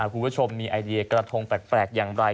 คุณผู้ชมมีไอเดียกระทงแปลกอย่างไร